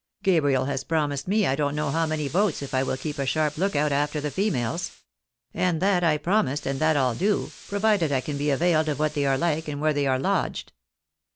Gabriel has promised me I don't know how many votes if I will keep a sharp look out after the females. And that I promised, and that I'll do, provided I can be availed of what they are like and where they are lodged.